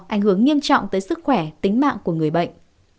anh hướng nghiêm trọng tới sức khỏe tính mạng của người bệnh